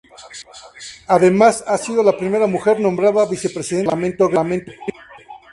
Además, ha sido la primera mujer nombrada vicepresidenta del parlamento griego.